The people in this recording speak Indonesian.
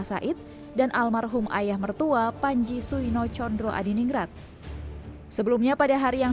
said dan almarhum ayah mertua panji suino condro adiningrat sebelumnya pada hari yang